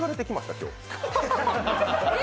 今日。